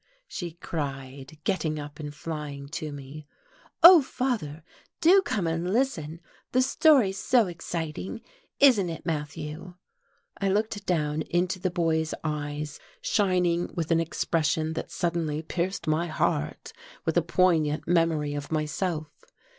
she cried, getting up and flying to me. "Oh, father, do come and listen! The story's so exciting, isn't it, Matthew?" I looked down into the boy's eyes shining with an expression that suddenly pierced my heart with a poignant memory of myself.